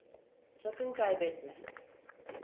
Sakın kaybetme.